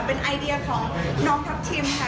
เป็นไอเดียของน้องทัพทิมค่ะ